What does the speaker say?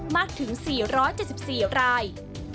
มากถึง๔๗๔ราย